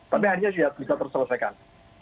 tapi akhirnya sudah bisa terselesaikan